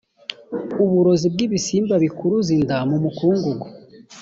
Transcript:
uburozi bw’ibisimba bikuruza inda mu mukungugu.